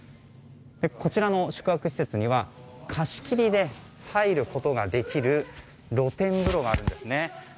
こちらの宿泊施設には貸し切りで入ることができる露天風呂があるんですね。